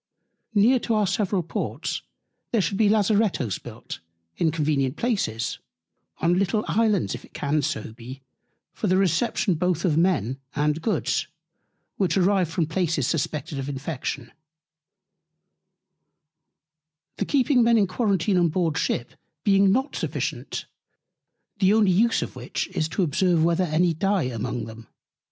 Near to our several Ports, there should be Lazarettos built in convenient Places, on little Islands if it can so be, for the Reception both of Men and Goods, which arrive from Places suspected of Infection: The keeping Men in Quarentine on board the Ship being not sufficient; the only Use of which is to observe whether any dye among them.